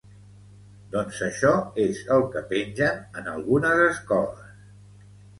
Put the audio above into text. Doncs això és el que pengen en algunes escoles.